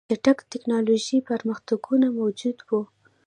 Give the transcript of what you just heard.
چټک ټکنالوژیکي پرمختګونه موجود وو